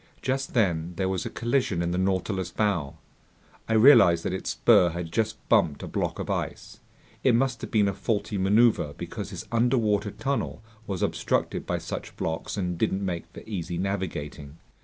Just then there was a collision in the Nautilus's bow. I realized that its spur had just bumped a block of ice. It must have been a faulty maneuver because this underwater tunnel was obstructed by such blocks and didn't make for easy navigating.